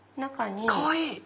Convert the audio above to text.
かわいい！